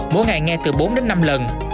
mỗi ngày nghe từ bốn đến năm lần